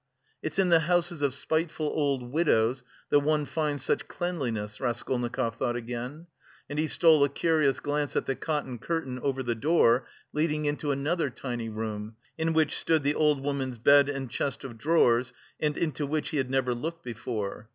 "It's in the houses of spiteful old widows that one finds such cleanliness," Raskolnikov thought again, and he stole a curious glance at the cotton curtain over the door leading into another tiny room, in which stood the old woman's bed and chest of drawers and into which he had never looked before.